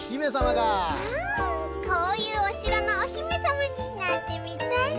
うんこういうおしろのおひめさまになってみたいな。